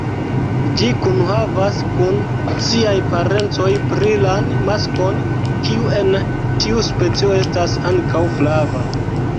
Ĝi kunhavas kun siaj parencoj brilan maskon kiu en tiu specio estas ankaŭ flava.